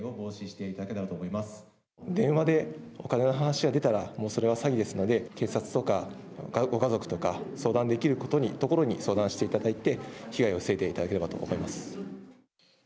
電話でお金の話が出たらそれは詐欺ですので警察とか、ご家族とか相談できるところに相談していただいて被害を防いでいただければと思います。